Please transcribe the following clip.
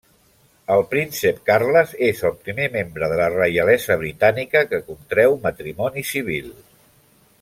El príncep Carles és el primer membre de la reialesa britànica que contreu matrimoni civil.